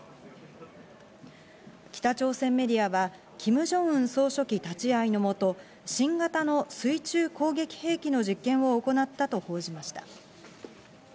北朝鮮メディアはキム・ジョンウン総書記立ち会いのもと、新型の水中攻撃兵器の実験を行ったと報じました。